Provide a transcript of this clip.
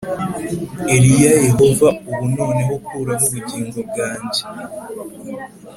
Eliya yehova ubu noneho kuraho ubugingo bwanjye